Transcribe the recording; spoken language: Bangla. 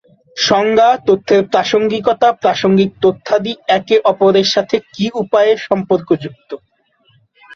সংজ্ঞা, তথ্যের প্রাসঙ্গিকতা, প্রাসঙ্গিক তথ্যাদি একে অপরের সাথে কি উপায়ে সম্পর্কযুক্ত।